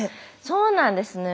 そうなんですね。